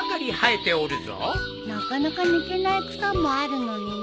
なかなか抜けない草もあるのにね。